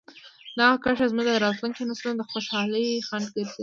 دغه کرښه زموږ د راتلونکي نسلونو د خوشحالۍ خنډ ګرځېدلې.